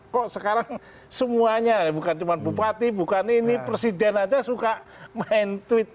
kok sekarang semuanya bukan cuma bupati bukan ini presiden aja suka main tweet